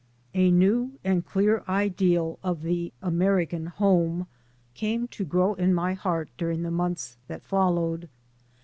A new and clear ideal of the American home came to grow in my heart during the months that followed.